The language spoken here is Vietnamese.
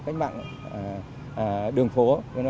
cách mạng đường phố